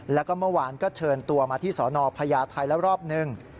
แล้วก็เมื่อวานก็เชิญตัวมาที่สนพญาไทยแล้วรอบนึง